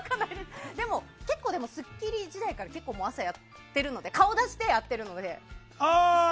結構、「スッキリ」時代から朝やってるので顔を出してやっているので。